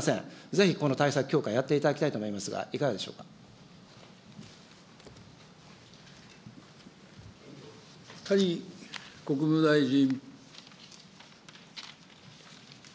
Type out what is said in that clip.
ぜひこの対策強化、やっていただきたいと思いますが、いかがでし谷国務大臣。